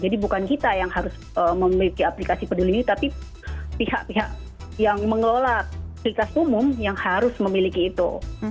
jadi itu bukan hanya kita yang harus memiliki aplikasi peduli lindungi tapi pihak pihak yang mengelola kualitas umum yang harus memiliki itu